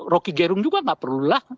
rocky gerung juga nggak perlulah